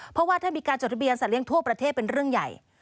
เพราะว่าถ้ามีการจดทะเบียนสัตเลี้ยทั่วประเทศเป็นเรื่องใหญ่